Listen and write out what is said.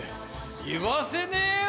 言わせねえよ！